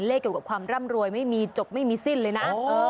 เกี่ยวกับความร่ำรวยไม่มีจบไม่มีสิ้นเลยนะ